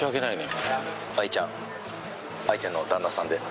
君藍ちゃん藍ちゃんの旦那さんで。